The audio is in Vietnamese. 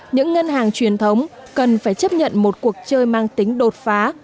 những ngân hàng truyền thống cần phải chấp nhận một cuộc chơi mang tính đột phá